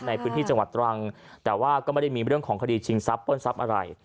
ในพื้นที่จังหวัดตรังแต่ว่าก็ไม่ได้มีเรื่องของคดีชิงทรัพย์ปล้นทรัพย์อะไร